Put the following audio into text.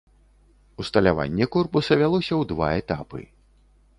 Усталяванне корпуса вялося ў два этапы.